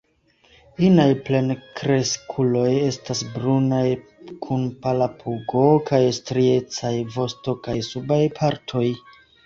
Inaj plenkreskuloj estas brunaj kun pala pugo, kaj striecaj vosto kaj subaj partoj.